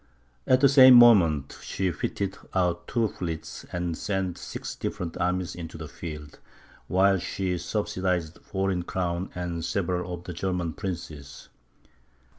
At the same moment, she fitted out two fleets, and sent six different armies into the field, while she subsidized a foreign crown and several of the German princes.